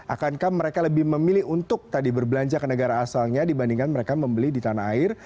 akankah mereka lebih memilih untuk tadi berbelanja ke negara asalnya dibandingkan mereka membeli di tanah air